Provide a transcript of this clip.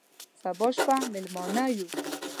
سبا شپه مېلمانه یو،